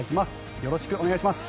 よろしくお願いします。